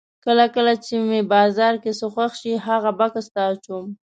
کله کله چې مې بازار کې څه خوښ شي هغه بکس ته اچوم.